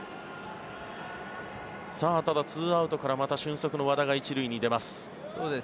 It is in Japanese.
ただ、２アウトからまた俊足の和田が１塁に出ます。